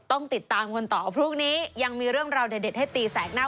ต้องติดตามกันต่อพรุ่งนี้ยังมีเรื่องราวเด็ดให้ตีแสกหน้า